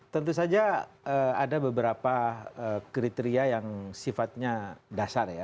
tentu saja ada beberapa kriteria yang sifatnya dasar ya